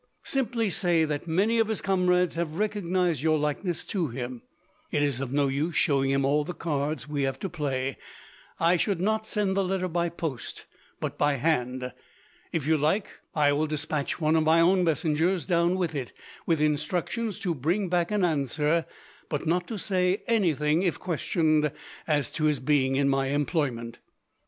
Simply say that many of his comrades have recognized your likeness to him. It is of no use showing him all the cards we have to play. I should not send the letter by post, but by hand. If you like, I will despatch one of my own messengers down with it, with instructions to bring back an answer, but not to say anything, if questioned, as to his being in my employment."